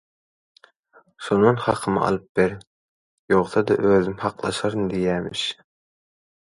Şоndan hakymy alyp bеr, ýogsa-da özüm haklaşaryn – diýýämiş.